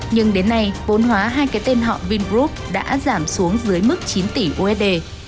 nhưng đến nay vốn hóa hai cái tên họ vingroup đã giảm xuống dưới mức chín tỷ usd